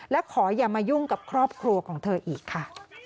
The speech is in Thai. และขออย่ามายุ่งกับครอบครัวของเธออีกค่ะ